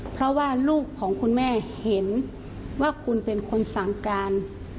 เพราะว่าลูกของคุณแม่เห็นว่าคุณเป็นคนสั่งการ